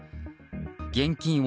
現金